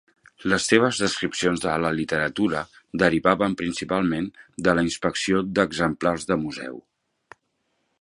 Les seves descripcions a la literatura derivaven principalment de la inspecció d'exemplars de museu.